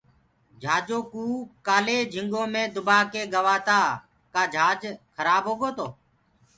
جھاجو ڪوُ ڪآلي جھنگو مينٚ دُبآ ڪيِ گوآ تآ ڪآ جھاج ڏِريآريهِرو تو